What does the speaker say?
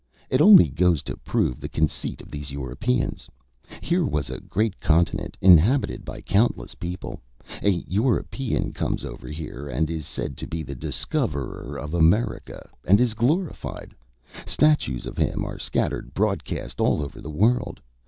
"It only goes to prove the conceit of these Europeans. Here was a great continent inhabited by countless people. A European comes over here and is said to be the discoverer of America and is glorified. Statues of him are scattered broad cast all over the world.